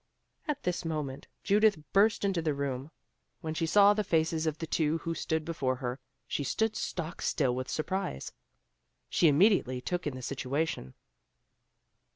At this moment Judith burst into the room. When she saw the faces of the two who stood before her, she stood stock still with surprise! She immediately took in the situation.